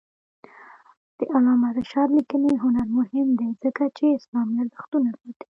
د علامه رشاد لیکنی هنر مهم دی ځکه چې اسلامي ارزښتونه ساتي.